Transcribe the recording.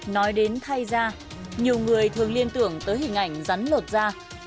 nói đến thay da nhiều người thường liên tưởng tới hình ảnh rắn lột da